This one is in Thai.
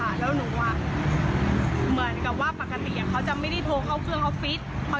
เขาจะโทรเข้าเครื่องของหนูแล้วหนูก็เห็นว่าเครื่องเขาปิดดังอย่างนี้ค่ะ